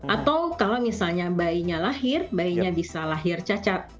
atau kalau misalnya bayinya lahir bayinya bisa lahir cacat